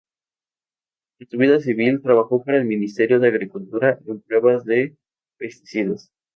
En su vida civil, trabajó para el Ministerio de Agricultura en pruebas de pesticidas.